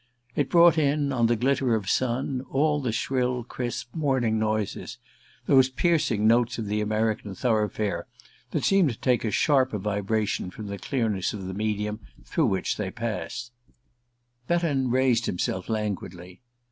It brought in, on the glitter of sun, all the shrill crisp morning noises those piercing notes of the American thoroughfare that seem to take a sharper vibration from the clearness of the medium through which they pass. Betton raised himself languidly.